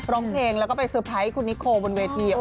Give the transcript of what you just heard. ร้องเพลงแล้วก็ไปเตอร์ไพรส์คุณนิโคบนเวที